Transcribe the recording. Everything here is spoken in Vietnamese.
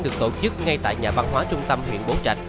được tổ chức ngay tại nhà văn hóa trung tâm huyện bố trạch